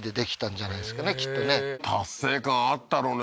達成感あったろうね